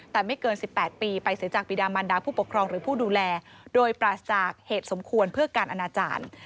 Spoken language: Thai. แต่ไม่เกิน๑๘ปีไปเสียจากปีดามันดาผู้ปกครองหรือผู้ดูแลโดยปราศจากเหตุสมควรเพื่อการอนาจารย์